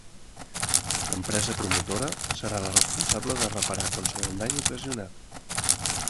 L'empresa promotora serà la responsable de reparar qualsevol dany ocasionat.